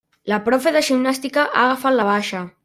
La profe de gimnàstica ha agafat la baixa.